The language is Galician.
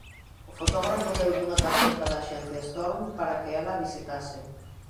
O fotógrafo deulle unha tarxeta da axencia Storm para que ela a visitase.